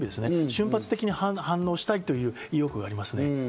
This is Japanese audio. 瞬発的に反応したいという意欲がありますね。